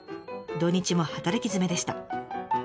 土日も働きづめでした。